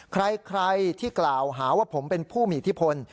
ใครที่กล่าวหาว่าผมเป็นผู้มีอิทธิพล